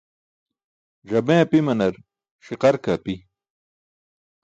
Ẓame apimanar ṣiqar ke api.